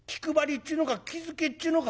っちゅうのか気付けっちゅうのか。